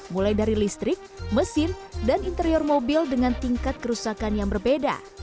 mulai dari listrik mesin dan interior mobil dengan tingkat kerusakan yang berbeda